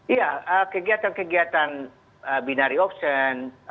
iya kegiatan kegiatan binari option